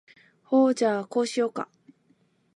ほーじゃ、こうしようか？